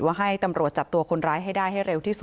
ว่าให้ตำรวจจับตัวคนร้ายให้ได้